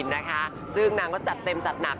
นะคะซึ่งนางก็จัดเต็มจัดหนัก